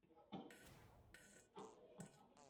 Ur d-issusuf ḥedd tament seg imi-s.